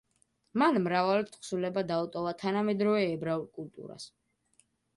მან მრავალი თხზულება დაუტოვა თანამედროვე ებრაულ კულტურას.